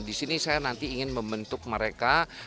nah disini saya nanti ingin membentuk mereka